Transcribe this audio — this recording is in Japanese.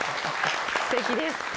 すてきです。